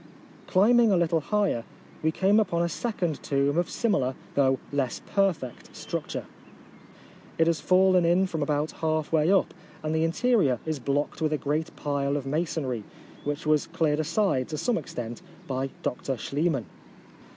Climbing a little higher we came upon a second tomb of similar though less perfect structure. It has fallen in from about half way up, and the interior is blocked with a great pile of masonry, which was cleared aside to some extent by Dr Schliemann.